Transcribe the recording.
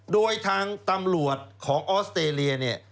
โดยทางตำรวจของออสเตรเลียเนี่ย